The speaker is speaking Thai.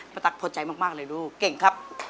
ตั๊กพอใจมากเลยลูกเก่งครับ